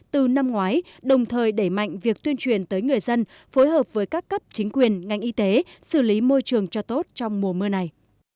từ năm ngoái đồng thời đẩy mạnh việc tuyên truyền tới người dân phối hợp với các cấp chính quyền ngành y tế xử lý môi trường cho tốt trong mùa mưa này